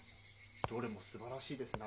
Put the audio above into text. どれもすばらしいですな。